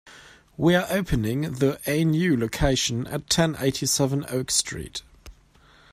We are opening the a new location at ten eighty-seven Oak Street.